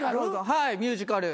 はいミュージカル。